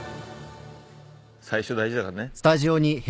最初大事だからね。